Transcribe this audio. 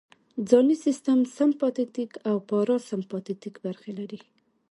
ځانی سیستم سمپاتیتیک او پاراسمپاتیتیک برخې لري